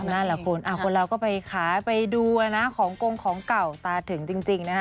น่าละคนคนแล้วก็ไปขายไปดูของกลงของเก่าตาถึงจริง